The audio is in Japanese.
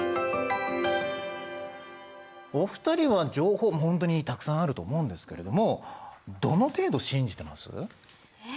お二人は情報ほんとにたくさんあると思うんですけれどもどの程度信じてます？え？